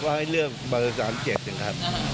ก็ไว้เลือกเบอร์๓๗กันค่ะ